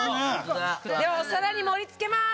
「ではお皿に盛り付けます」